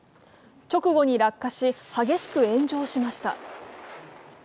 直後に落下し、激しく炎上しました